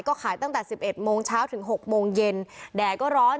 ก็ขายตั้งแต่๑๑โมงเช้าถึง๖โมงเย็นแดดก็ร้อน